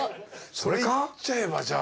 それいっちゃえばじゃあ。